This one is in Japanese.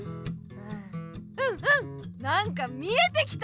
うんうんなんか見えてきた！